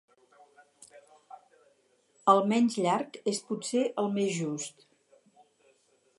El menys llarg és potser el més just.